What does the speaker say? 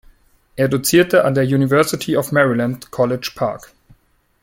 Er dozierte an der University of Maryland, College Park.